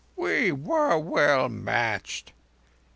"We were well matched.